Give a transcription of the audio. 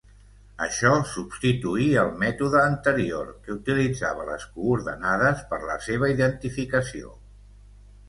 Això substituí el mètode anterior que utilitzava les coordenades per la seva identificació.